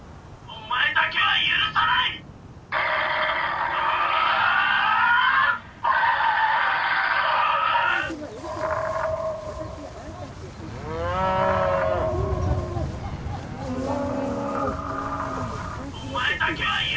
「お前だけは許さない！」。